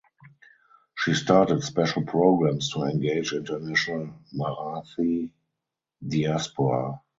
She started special programs to engage international Marathi diaspora.